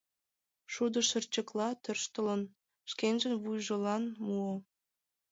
Шудышырчыкла тӧрштылын, шкенжын вуйжылан муо.